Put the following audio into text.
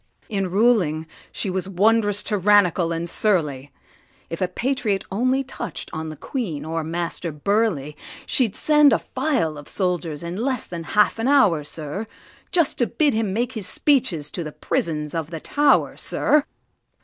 In ruling she was wonderous tyrannical and surly; If a patriot only touch'd on the Queen or Master Burleigh, She'd send a file of soldiers in less than half an hour, sir, Just to bid him make his speeches to the prisons of the Tow'r, sir!